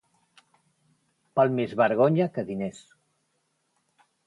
Val més vergonya que diners.